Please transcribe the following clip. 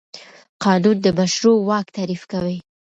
قانون د مشروع واک تعریف کوي.